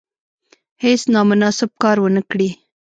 هیڅ نامناسب کار ونه کړي.